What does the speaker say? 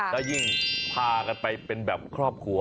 แล้วยิ่งพากันไปเป็นแบบครอบครัว